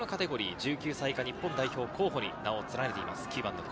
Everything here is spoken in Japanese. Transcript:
１９歳以下日本代表候補に名を連ねています。